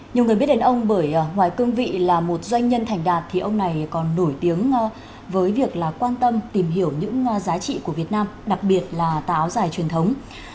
nhiều người biết đến ông bởi ngoài cương vị là một doanh nhân thành đạt thì ông này còn nổi tiếng với việc là quan tâm tìm hiểu những giá trị của việt nam đặc biệt là tà áo dài truyền thống